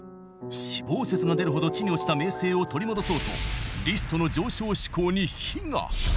死亡説が出るほど地に落ちた名声を取り戻そうとリストの上昇志向に火が。